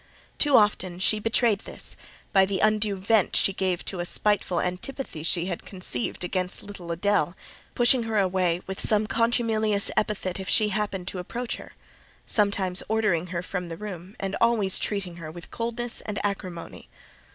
Too often she betrayed this, by the undue vent she gave to a spiteful antipathy she had conceived against little Adèle: pushing her away with some contumelious epithet if she happened to approach her; sometimes ordering her from the room, and always treating her with coldness and acrimony.